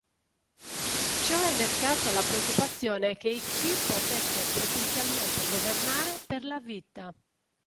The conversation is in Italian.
Ciò ha innescato la preoccupazione che Xi potesse potenzialmente governare per la vita.